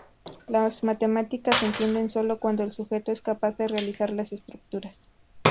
Las matemáticas se entiende sólo cuando el sujeto es capaz de "realizar" las estructuras.